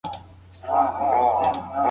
د دودیزو میتودونو کارول ستونزمن دي.